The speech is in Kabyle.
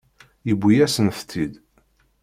Yewwi-yasent-tt-id.